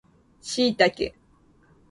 シイタケ